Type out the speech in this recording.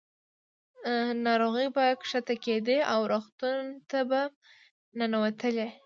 ناروغۍ به ښکته کېدې او روغتون ته به ننوتلې.